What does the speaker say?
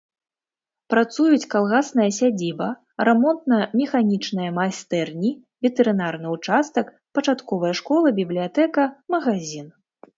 Працуюць калгасная сядзіба, рамонтна-механічныя майстэрні, ветэрынарны ўчастак, пачатковая школа, бібліятэка, магазін.